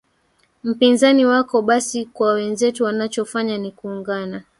mpinzani wako basi kwa wenzetu wanachofanya ni kuungana